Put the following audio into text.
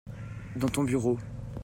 dans ton bureau.